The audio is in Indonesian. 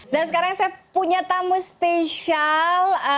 dan sekarang saya punya tamu spesial